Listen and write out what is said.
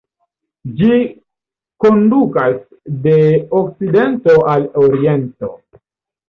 Ĝi kondukas de okcidento al oriento.